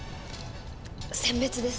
餞別です。